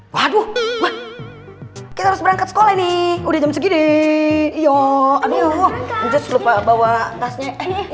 waduh kita harus berangkat sekolah ini udah jam segini ya aduh lupa bawa tasnya